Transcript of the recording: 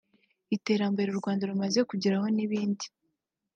iterambere u Rwanda rumaze kugeraho n’ibindi